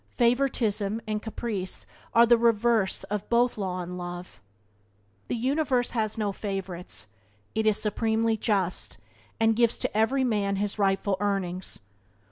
Favouritism and caprice are the reverse of both law and love. The universe has no favourites; it is supremely just, and gives to every man his rightful earnings.